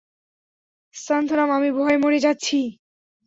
সান্থানাম, আমি ভয়ে মরে যাচ্ছি।